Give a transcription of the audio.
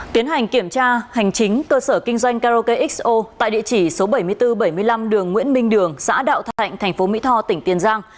tiến hành kiểm tra hành chính cơ sở kinh doanh karaoke xo tại địa chỉ số bảy mươi bốn bảy mươi năm đường nguyễn minh đường xã đạo thạnh tp mỹ tho tỉnh tiền giang